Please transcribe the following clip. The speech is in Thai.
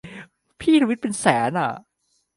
พี่ทวีตเป็นแสนอะ